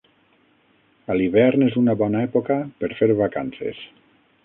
A l'hivern és una bona època per fer vacances.